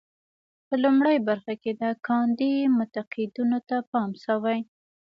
په لومړۍ برخه کې د ګاندي منتقدینو ته پام شوی.